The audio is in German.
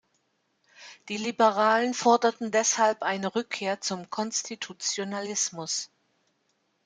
Die Liberalen forderten deshalb eine Rückkehr zum Konstitutionalismus.